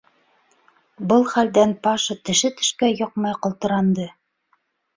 Был хәлдән Паша теше тешкә йоҡмай ҡалтыранды.